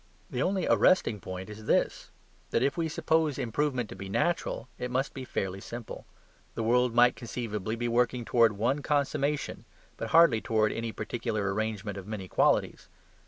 The only arresting point is this: that if we suppose improvement to be natural, it must be fairly simple. The world might conceivably be working towards one consummation, but hardly towards any particular arrangement of many qualities.